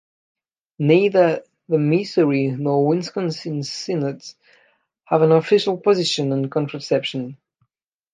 Neither the Missouri nor Wisconsin synods have an official position on contraception.